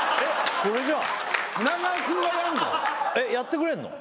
えっやってくれんの？